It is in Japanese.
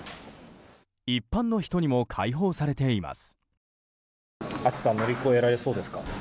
一般の人にも開放されています。